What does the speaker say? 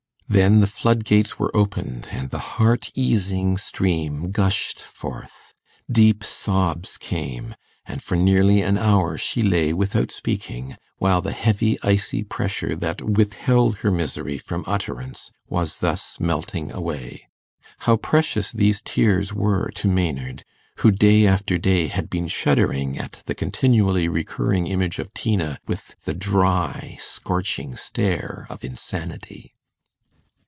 Then the flood gates were opened, and the heart easing stream gushed forth; deep sobs came; and for nearly an hour she lay without speaking, while the heavy icy pressure that withheld her misery from utterance was thus melting away. How precious these tears were to Maynard, who day after day had been shuddering at the continually recurring image of Tina with the dry scorching stare of insanity!